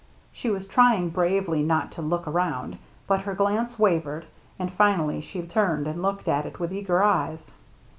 She was trying bravely not to look around, but her glance wavered, and finally she turned and looked at it with eager eyes.